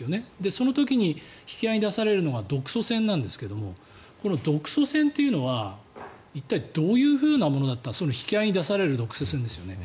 その時に引き合いに出されるのが独ソ戦なんですがこの独ソ戦というのは一体どういうふうなものだったのかその引き合いに出される独ソ戦ですよね。